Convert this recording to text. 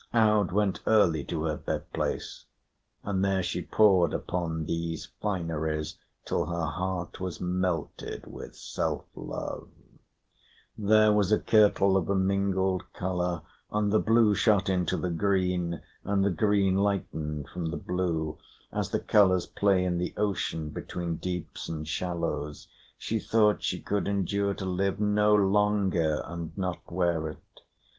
Aud went early to her bed place, and there she pored upon these fineries till her heart was melted with self love. There was a kirtle of a mingled colour, and the blue shot into the green, and the green lightened from the blue, as the colours play in the ocean between deeps and shallows: she thought she could endure to live no longer and not wear it.